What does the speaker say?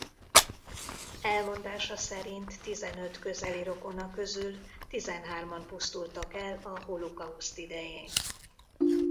Elmondása szerint tizenöt közeli rokona közül tizenhárman pusztultak el a holokauszt idején.